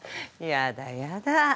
やだやだ